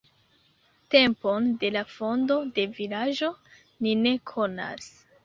Tempon de la fondo de vilaĝo ni ne konas.